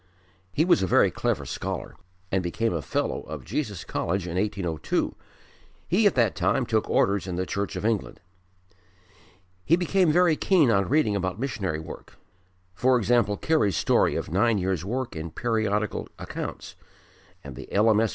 He was a very clever scholar and became a Fellow of Jesus College in 1802. He at that time took orders in the Church of England. He became very keen on reading about missionary work, e.g. Carey's story of nine years' work in Periodical Accounts, and the L.M.S.